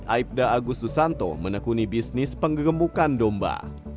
aibda agus susanto menekuni bisnis penggemukan domba